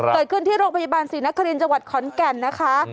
เกิดขึ้นที่โรคพยาบาลศรีนครินต์จังหวัดขอนแก่นนะคะ